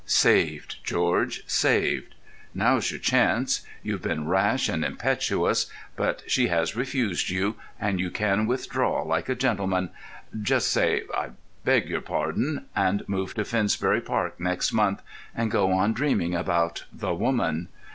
Saved, George, saved! Now's your chance. You've been rash and impetuous, but she has refused you, and you can withdraw like a gentleman. Just say "I beg your pardon," and move to Finsbury Park next month ... and go on dreaming about the woman.